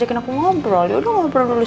apa yang dipengaruhi dari telescope hakim saya